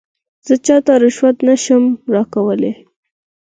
زه چاته رشوت نه شم ورکولای.